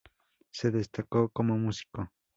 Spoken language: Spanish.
Se destacó como músico.